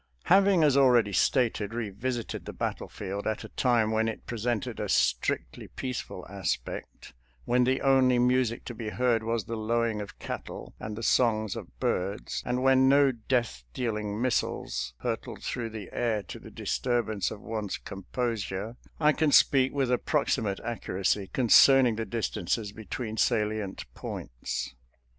Having, as already stated, revisited the battle field at a time when it presented a strictly peace ful aspect — when the only music to be heard was the lowing of cattle and the songs of birds, and when no death dealing missiles hurtled through the air to the disturbance of one's com posure — I can speak with approximate accuracy concerning the distances between salient points.